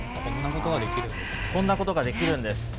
こんなことができるんです。